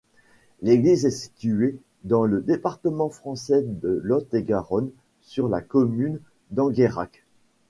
L'église est située dans le département français de Lot-et-Garonne, sur la commune d'Engayrac.